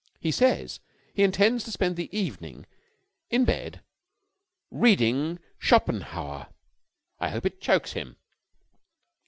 He says he intends to spend the evening in bed, reading Schopenhauer. I hope it chokes him."